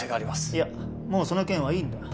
いやもうその件はいいんだ。